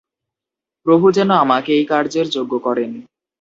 প্রভু যেন আমাকে এই কার্যের যোগ্য করেন।